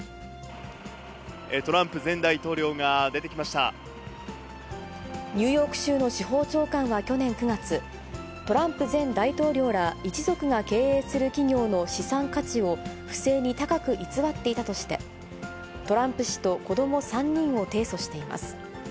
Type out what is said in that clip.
トランプ前大統領が出てきまニューヨーク州の司法長官は去年９月、トランプ前大統領ら一族が経営する企業の資産価値を、不正に高く偽っていたとして、トランプ氏と子ども３人を提訴しています。